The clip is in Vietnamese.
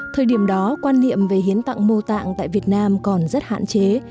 thời điểm đó quan niệm về hiến tặng mô tạng tại việt nam còn rất hạn chế